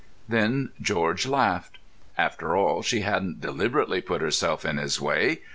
Then George laughed. After all, she hadn't deliberately put herself in his way.